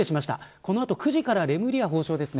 この後９時からレムリヤ法相ですね。